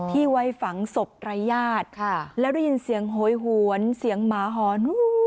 ที่ไว้ฝังศพรายญาติแล้วได้ยินเสียงโหยหวนเสียงหมาหอน